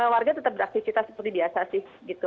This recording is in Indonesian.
warga tetap beraktivitas seperti biasa sih